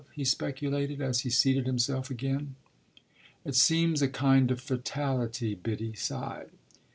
he speculated as he seated himself again. "It seems a kind of fatality!" Biddy sighed.